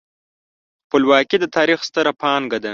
خپلواکي د تاریخ ستره پانګه ده.